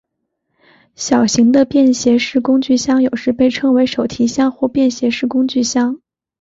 小型的便携式工具箱有时被称为手提箱或便携式工具箱。